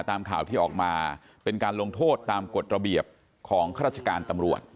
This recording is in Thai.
ตามข่าวที่ออกมาเป็นการลงโทษตามกฎระเบียบของข้าราชการตำรวจ